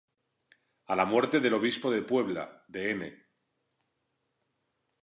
A la muerte del Obispo de Puebla, Dn.